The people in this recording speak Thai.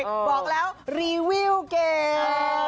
บอกแล้วรีวิวเก่ง